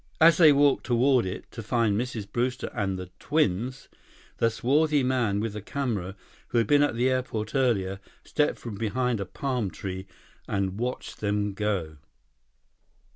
As they walked toward it to find Mrs. Brewster and the twins, the swarthy man with the camera who had been at the airport earlier, stepped from behind a palm tree and watched them go.